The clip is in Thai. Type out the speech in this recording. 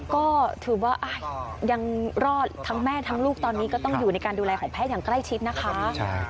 ก็ถือว่ายังรอดทั้งแม่ทั้งลูกตอนนี้ก็ต้องอยู่ในการดูแลของแพทย์อย่างใกล้ชิดนะคะ